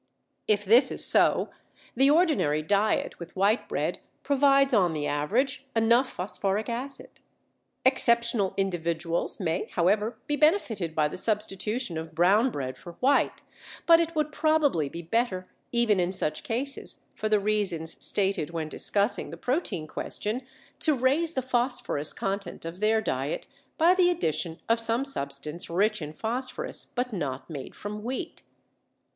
If this is so, the ordinary diet with white bread provides on the average enough phosphoric acid. Exceptional individuals may, however, be benefited by the substitution of brown bread for white, but it would probably be better even in such cases, for the reasons stated when discussing the protein question, to raise the phosphorus content of their diet by the addition of some substance rich in phosphorus but not made from wheat.